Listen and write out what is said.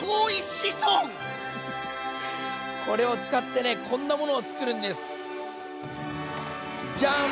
これを使ってねこんなものを作るんです。じゃん！